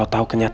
aku mau ke rumah